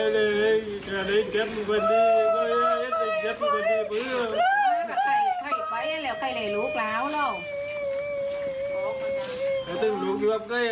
นี่ค่ะเดี๋ยวไปดูคลิปนี้กันหน่อย